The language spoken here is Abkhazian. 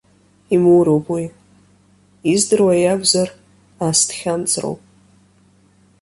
Имуроуп уи, издыруа иакәзар, ас дхьамҵроуп.